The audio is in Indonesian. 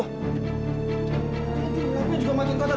nanti berarti juga makin kotor